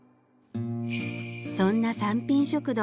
そんな三品食堂